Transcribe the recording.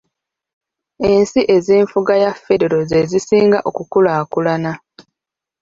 Ensi ez’enfuga ya federo ze zisinga okukulaakulana.